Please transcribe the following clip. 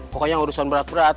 pokoknya urusan berat berat